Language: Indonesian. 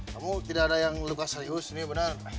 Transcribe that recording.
kamu tidak ada yang luka serius ini benar